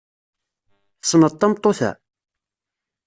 Tessneḍ tameṭṭut-a?